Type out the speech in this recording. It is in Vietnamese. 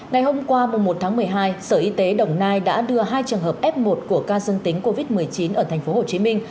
ngày hôm qua một tháng một mươi hai sở y tế đồng nai đã đưa hai trường hợp f một của ca dương tính covid một mươi chín ở thành phố hồ chí minh